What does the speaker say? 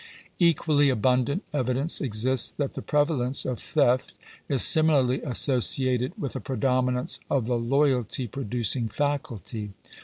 Equally abundant evidence exists that the prevalence of theft is similarly associated with a predominance of the loyalty pro ducing faculty.